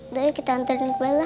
udah ya kita anterin ke bella